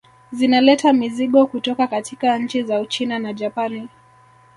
Zinaleta mizigo kutoka katika nchi za Uchina na Japani